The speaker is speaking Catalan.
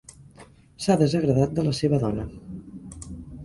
S'ha desagradat de la seva dona.